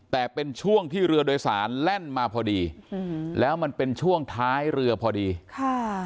แต่เป็นช่วงที่เรือโดยสารแล่นมาพอดีอืมแล้วมันเป็นช่วงท้ายเรือพอดีค่ะ